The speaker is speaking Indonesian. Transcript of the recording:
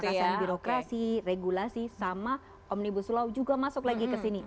kekuasaan birokrasi regulasi sama omnibus law juga masuk lagi ke sini